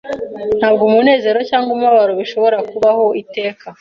Ntabwo umunezero cyangwa umubabaro bishobora kubaho iteka.